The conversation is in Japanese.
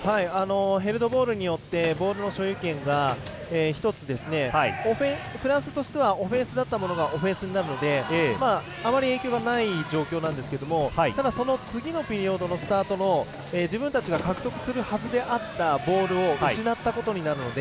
ヘルドボールによってボールの所有権が１つフランスとしてはオフェンスだったものがオフェンスになるのであまり影響がない状況なんですけどもただ、その次のピリオドのスタートの自分たちが獲得するはずであったボールを失ったことになるので。